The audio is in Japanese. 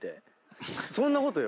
そんなことよ。